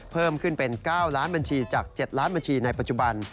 เพิ่มขึ้นเป็น๙ล้านบัญชีจาก๗ล้านบัญชีในปัจจุบัน